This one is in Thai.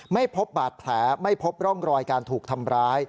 ไม่พบบาดแผลไม่พบร่องรอยการถูกทำร้าย